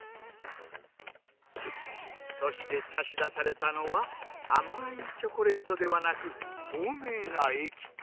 そして差し出されたのは甘いチョコレートではなく透明な液体。